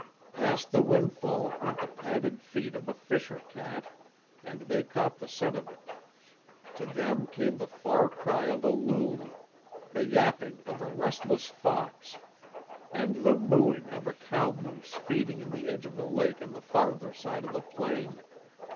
Past the windfall went the padded feet of a fisher cat, and they caught the scent of it; to them came the far cry of a loon, the yapping of a restless fox, and the MOOING of a cow moose feeding in the edge of a lake on the farther side of the plain.